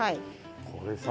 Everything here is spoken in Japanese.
これさ。